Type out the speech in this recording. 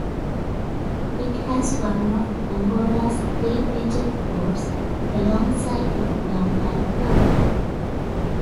It has one of Angola's three major ports, alongside Luanda and Lobito.